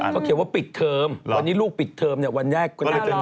เขาเขียนว่าปิดเทอมวันนี้ลูกปิดเทอมวันแรกก็ได้